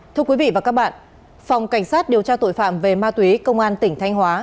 thưa quý vị và các bạn phòng cảnh sát điều tra tội phạm về ma túy công an tỉnh thanh hóa